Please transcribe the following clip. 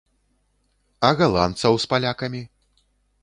А галандцаў з палякамі?